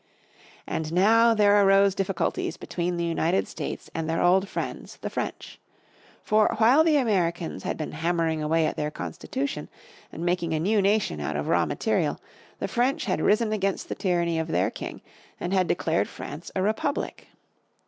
And now there arose difficulties between the United States and their old friends, the French. For, while the Americans had been hammering away at their Constitution, and making a new nation out of raw material, the French had risen against the tyranny of their king, and had declared France a Republic.